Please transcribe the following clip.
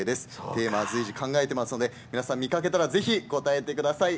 テーマは随時考えていますので皆さん、見かけたらぜひ答えてください。